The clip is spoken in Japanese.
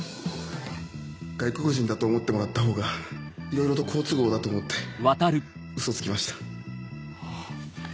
外国人だと思ってもらったほうがいろいろと好都合だと思ってウソをつきました。